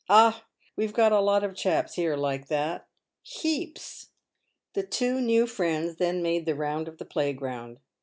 Ah ! we've got a lot of chaps here like that — heaps !" The two new friends then made the round of the playground.